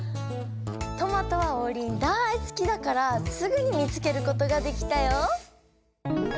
「とまと」はオウリン大すきだからすぐに見つけることができたよ。